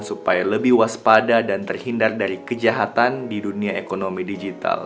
supaya lebih waspada dan terhindar dari kejahatan di dunia ekonomi digital